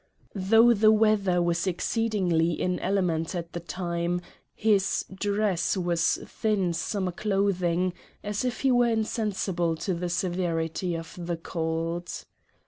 Though the weather was exceedingly inclement at the time, his dress was thin summer clothing, as if he were insensible to the severity of the cold.